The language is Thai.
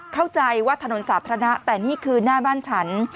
เข้าใจว่าถนนสาธารณะแต่นี่คือหน้าบ้านฉัน